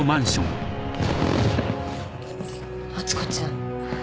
敦子ちゃん。